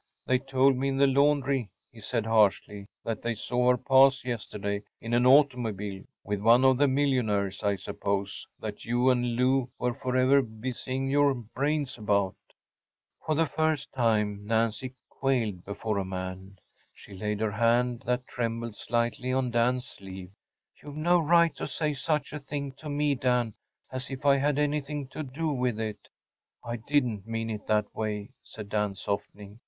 “They told me in the laundry,‚ÄĚ he said, harshly, “that they saw her pass yesterday‚ÄĒin an automobile. With one of the millionaires, I suppose, that you and Lou were forever busying your brains about.‚ÄĚ For the first time Nancy quailed before a man. She laid her hand that trembled slightly on Dan’s sleeve. “You’ve no right to say such a thing to me, Dan‚ÄĒas if I had anything to do with it!‚ÄĚ “I didn’t mean it that way,‚ÄĚ said Dan, softening.